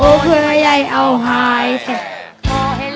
โอเคไอ้ไอเอาหายเซ็บ